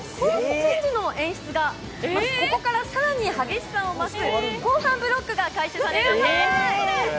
チェンジの演出がここから更に激しさを増す後半ブロックが開始されます。